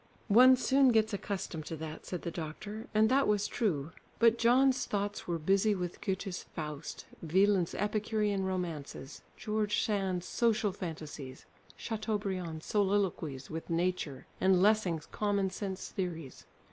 "One soon gets accustomed to that," said the doctor, and that was true, but John's thoughts were busy with Goethe's Faust, Wieland's Epicurean romances, George Sand's social phantasies, Chateaubriand's soliloquies with nature, and Lessing's common sense theories.